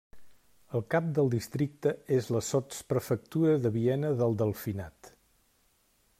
El cap del districte és la sotsprefectura de Viena del Delfinat.